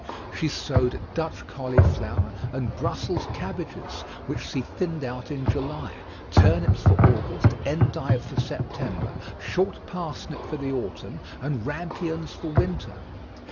She sowed Dutch cauliflower and Brussels cabbages, which she thinned out in July, turnips for August, endive for September, short parsnip for the autumn, and rampions for winter.